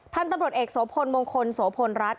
ท่านตำรวจเอกโสพลมงคลโสพลรัฐ